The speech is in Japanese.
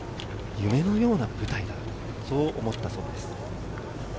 夢のような舞台だ、そう思ったそうです。